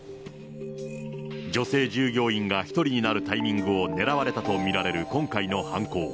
女性従業員が１人になるタイミングを狙われたと見られる今回の犯行。